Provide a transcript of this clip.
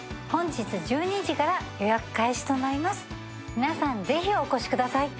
皆さん、ぜひお越しください